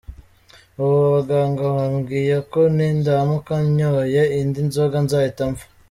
Ubu abaganga bambwiye ko nindamuka nyoye indi nzoga nzahita mpfa”.